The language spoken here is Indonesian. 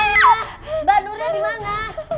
mbak nurnya dimana